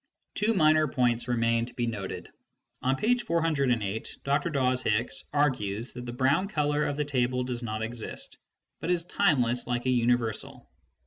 Two minor points remain to be noted. On page 408, Dr. Dawes Hicks argues that the brown colour of the table does not exist, but is timeless like a universal.